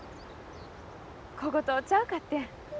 こことちゃうかってん。